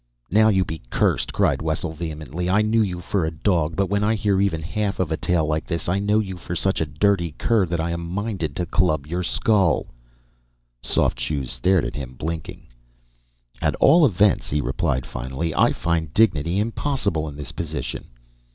"Now you be cursed," cried Wessel vehemently. "I knew you for a dog, but when I hear even the half of a tale like this, I know you for such a dirty cur that I am minded to club your skull." Soft Shoes stared at him, blinking. "At all events," he replied finally, "I find dignity impossible in this position."